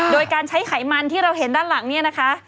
โดยการใช้ไขมันที่เราเห็นด้านหลังเนี่ยนะคะ